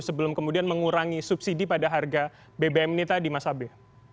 sebelum kemudian mengurangi subsidi pada harga bbm ini tadi mas abe